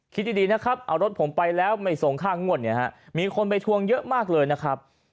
คิดดีนะครับเอารถผมไปแล้วไม่ส่งค่างวดเนี่ยฮะมีคนไปทวงเยอะมากเลยนะครับ